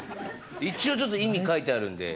一応ちょっと意味書いてあるんで。